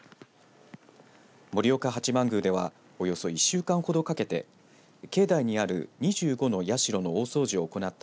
盛岡八幡宮ではおよそ１週間ほどかけて境内にある２５の社の大掃除を行った